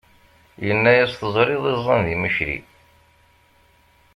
Yenna-yas teẓriḍ iẓẓan di Micli!